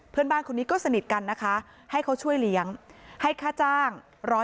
เพื่อนบ้านคนนี้ก็สนิทกันนะคะให้เขาช่วยเลี้ยงให้ค่าจ้าง๑๐๐